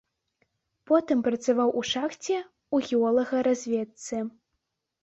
Потым працаваў у шахце, у геолагаразведцы.